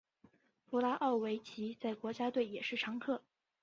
弗拉奥维奇在国家队也是常客。